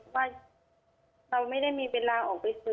ว่าเราไม่ได้มีเวลาออกไปซื้อ